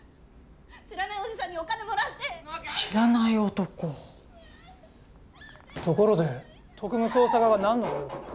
知らないおじさんにお金もらって知らない男ところで特務捜査課が何のご用で？